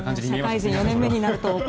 社会人４年目になると。